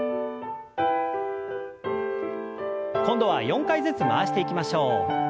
今度は４回ずつ回していきましょう。